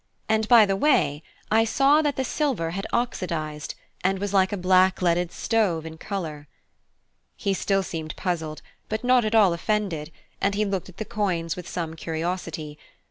And by the way, I saw that the silver had oxydised, and was like a blackleaded stove in colour. He still seemed puzzled, but not at all offended; and he looked at the coins with some curiosity.